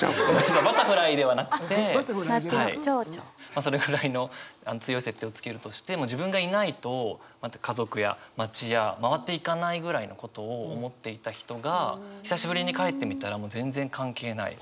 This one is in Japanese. まあそれぐらいの強い設定をつけるとして自分がいないと家族や町や回っていかないぐらいのことを思っていた人が久しぶりに帰ってみたら全然関係ない。